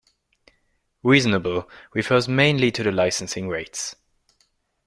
Reasonable refers mainly to the licensing rates.